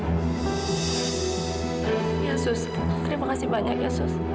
ya sus terima kasih banyak ya sus